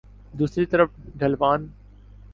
دوسری طرف ڈھلوان